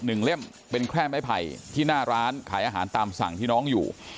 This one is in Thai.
เล่มเป็นแค่ไม้ไผ่ที่หน้าร้านขายอาหารตามสั่งที่น้องอยู่